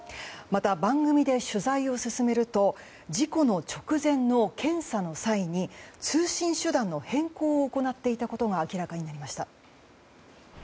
また、番組で取材を進めると事故の直前の検査の際に通信手段の変更を行っていたことが明らかになりました。